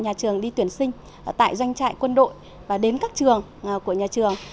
nhà trường đi tuyển sinh tại doanh trại quân đội và đến các trường của nhà trường